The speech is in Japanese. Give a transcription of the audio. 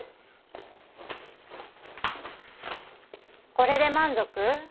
これで満足？